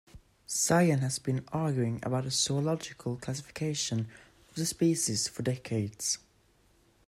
Science has been arguing about the zoological classification of the species for decades.